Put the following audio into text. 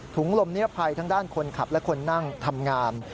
ลมนิรภัยทั้งด้านคนขับและคนนั่งทำงาน